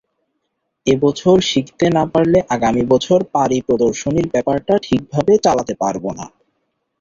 এ বছর শিখতে না পারলে আগামী বছর পারি-প্রদর্শনীর ব্যাপারটা ঠিকভাবে চালাতে পারব না।